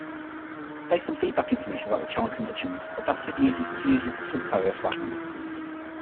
Based on feedback information about the channel conditions, adaptive user-to-subcarrier assignment can be achieved.